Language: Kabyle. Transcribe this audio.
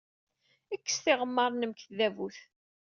Kkes tiɣemmar-nnem seg tdabut.